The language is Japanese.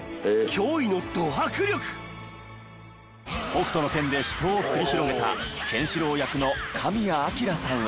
『北斗の拳』で死闘を繰り広げたケンシロウ役の神谷明さんは。